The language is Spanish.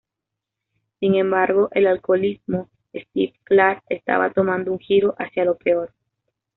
Sin embargo, el alcoholismo Steve Clark estaba tomando un giro hacia lo peor.